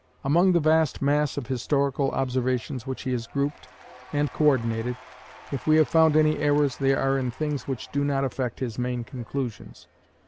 Among the vast mass of historical observations which he has grouped and co ordinated, if we have found any errors they are in things which do not affect his main conclusions.